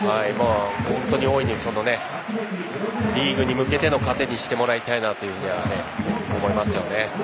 本当に大いにそのリーグに向けての糧にしてほしいなと思います。